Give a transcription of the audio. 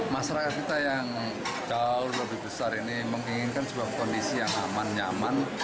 masyarakat kita yang jauh lebih besar ini menginginkan sebuah kondisi yang aman nyaman